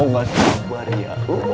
gak sabar ya